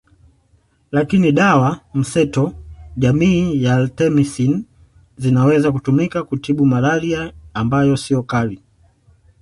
Lakini dawa mseto jamii ya Artemisin zinaweza kutumika kutibu malaria ambayo siyo kali